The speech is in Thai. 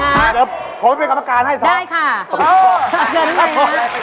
สวัสดีครับ